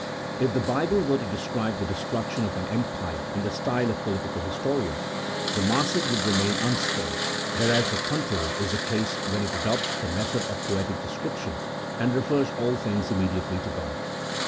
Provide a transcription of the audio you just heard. If the Bible were to describe the destruc 92 A THEOLOGICO POLITICAL TREATISE. [CHAP. VI. tion of an empire in the style of political historians, the masses would remain unstirred, whereas the contrary is the case when it adopts the method of poetic description, and refers all things immediately to God.